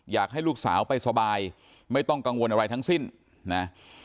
อยากให้ลูกสาวไปสบายไม่ต้องกังวลอะไรทั้งสิ้นนะ